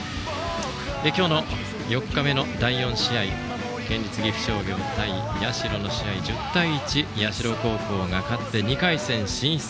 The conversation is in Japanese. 今日の４日目の第４試合県立岐阜商業対社の試合は１０対１、社高校が勝って２回戦進出。